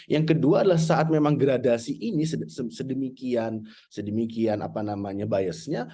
yang kedua adalah saat memang gradasi ini sedemikian apa namanya biasnya